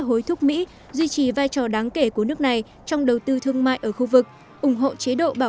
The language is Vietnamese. hối thúc mỹ duy trì vai trò đáng kể của nước này trong đầu tư thương mại ở khu vực ủng hộ chế độ bảo